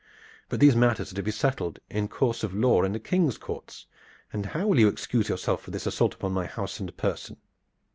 But these matters are to be settled in course of law in the King's courts, and how will you excuse yourself for this assault upon my house and person?"